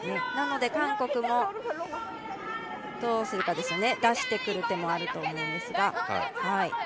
なので、韓国もどうするかですよね出してくる手もあると思うんですが。